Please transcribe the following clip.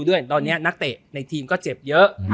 ด้วยตอนนี้นักเตะในทีมก็เจ็บเยอะ